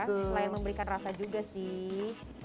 selain memberikan rasa juga sih